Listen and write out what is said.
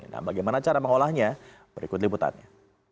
nah bagaimana cara mengolahnya berikut liputannya